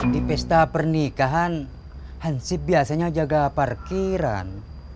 di pesta pernikahan hansip biasanya jaga parkiran